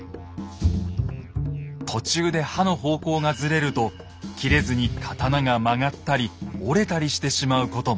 途中で刃の方向がずれると斬れずに刀が曲がったり折れたりしてしまうことも。